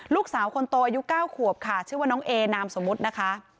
ลูกสาวคนโตอายุ๙ขวบค่ะชื่อว่าน้องเอนามสมมุตินะคะ